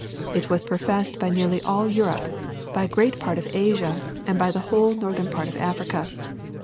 It was professed by nearly all Europe, by a great part of Asia, and by the whole northern part of Africa.